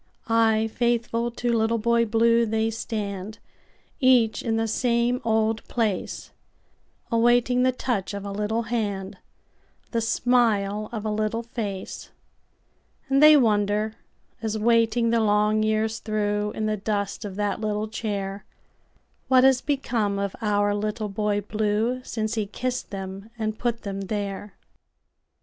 Ay, faithful to Little Boy Blue they stand, Each in the same old place, Awaiting the touch of a little hand, The smile of a little face; And they wonder, as waiting the long years throughIn the dust of that little chair, What has become of our Little Boy Blue, Since he kissed them and put them there.